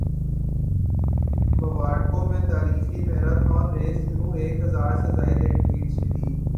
موراکو میں تاریخی marathon race شروع ایک ہزار سے زائد ایتھلیٹس شریک